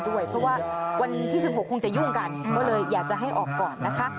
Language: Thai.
เพราะว่าวันที่๑๖คงจะยุ่งกันก็เลยอยากจะให้ออกก่อนนะคะ